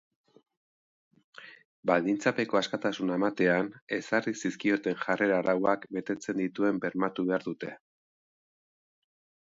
Baldintzapeko askatasuna ematean ezarri zizkioten jarrera arauak betetzen dituen bermatu behar dute.